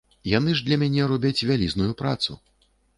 Яны ж для мяне робяць вялізную працу.